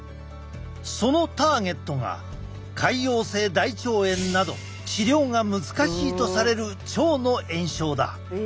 そのターゲットが潰瘍性大腸炎など治療が難しいとされる腸の炎症だ。